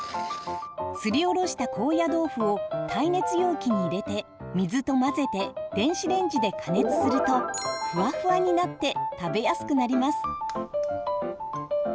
すりおろした高野豆腐を耐熱容器に入れて水と混ぜて電子レンジで加熱するとふわふわになって食べやすくなります。